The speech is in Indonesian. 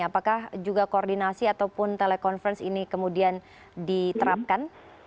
apakah juga koordinasi ataupun telekonferensi ini kemudian diterapkan